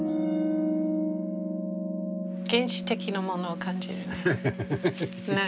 原始的なものを感じるね。